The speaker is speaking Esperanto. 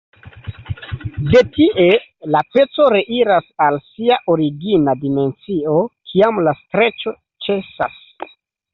De tie la peco reiras al sia origina dimensio, kiam la streĉo ĉesas.